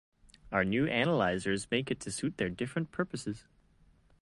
Our new analyzers make it to suit their different purposes.